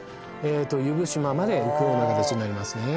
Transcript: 由布島まで行くような形になりますね